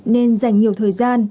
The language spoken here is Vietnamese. nên dành nhiều thời gian